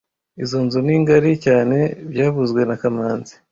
Izoi nzu ni ngari cyane byavuzwe na kamanzi